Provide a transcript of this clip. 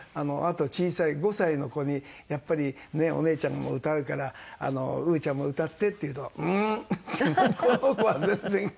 あと小さい５歳の子にやっぱり「お姉ちゃんも歌うからウーちゃんも歌って」って言うと「ううん」って。